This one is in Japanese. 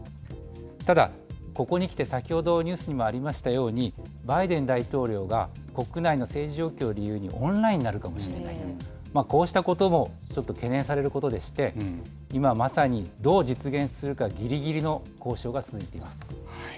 ただ、ここにきて先ほどニュースにもありましたようにバイデン大統領が国内の政治状況に言うにオンラインになるかもしれないとこうしたことも懸念されることでして今まさにどう実現するかぎりぎりの交渉が続いています。